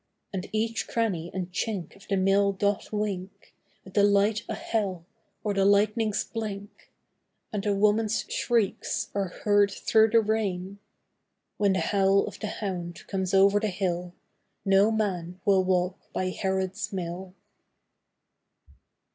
And each cranny and chink of the mill doth wink With the light o' hell, or the lightning's blink, And a woman's shrieks are heard through the rain: When the howl of the hound comes over the hill, No man will walk by Harrod's mill.